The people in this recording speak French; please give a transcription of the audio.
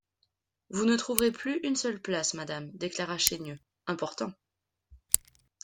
Vous ne trouverez plus une seule place, madame, déclara Chaigneux, important.